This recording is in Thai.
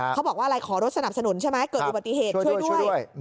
เขาบอกว่าอะไรขอรถสนับสนุนใช่ไหมเกิดอุบัติเหตุช่วยด้วย